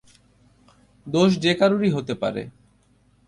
দোষ যে কারোরই হতে পারে!